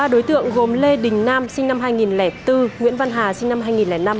ba đối tượng gồm lê đình nam sinh năm hai nghìn bốn nguyễn văn hà sinh năm hai nghìn năm